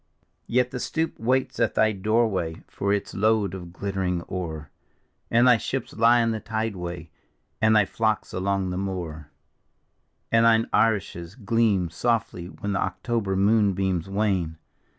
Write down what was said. Yet the stoup waits at thy doorway for its load of glitter ing ore, And thy ships lie in the tideway, and thy flocks along the moore; And thine arishes gleam softly when the October moon beams wane.